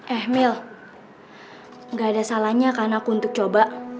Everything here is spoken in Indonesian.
emil gak ada salahnya kan aku untuk coba